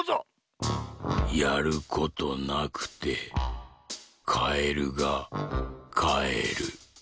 「やることなくてカエルがかえる」。